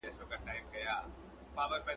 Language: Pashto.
مجاهد د حق ناره په میدان کي ووهله.